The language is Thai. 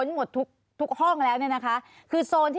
เห็น